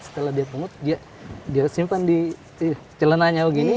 setelah dia pungut dia dia simpan di celenanya begini